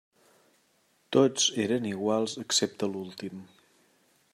Tots eren iguals excepte l'últim.